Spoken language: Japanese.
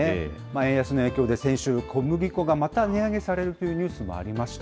円安の影響で先週、小麦粉がまた値上げされるというニュースもありました。